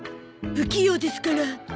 不器用ですから。